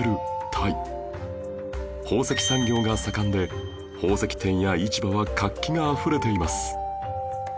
宝石産業が盛んで宝石店や市場は活気があふれています